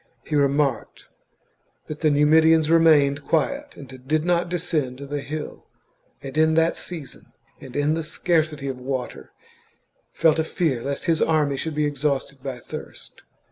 He remarked that the Numidians remained quiet and did not descend the hill, and in that season, and in the scarcity of water, felt a fear lest his army should be exhausted by thirst.